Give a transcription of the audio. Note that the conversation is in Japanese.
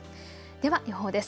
では予報です。